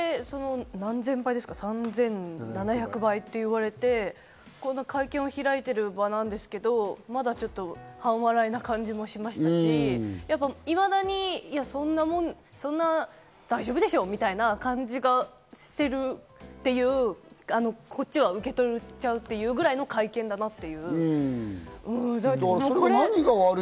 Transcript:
あんだけ何千倍ですか、３７００倍と言われて会見を開いている場なんですけど、まだちょっと半笑いな感じもしましたし、いまだにそんな、大丈夫でしょ！みたいな感じがしていると、こっちは受け取るというぐらいの会見だなと。